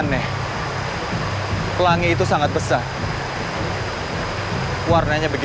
mereka sudah berhasil menangkap mereka